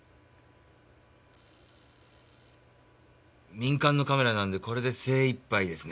民間のカメラなんでこれで精一杯ですね。